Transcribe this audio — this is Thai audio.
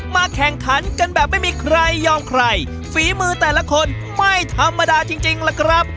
แข่งขันกันแบบไม่มีใครยอมใครฝีมือแต่ละคนไม่ธรรมดาจริงจริงล่ะครับ